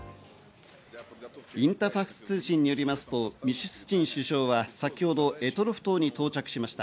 インターファクス通信によりますと、ミシュスチン首相は先ほど択捉島に到着しました。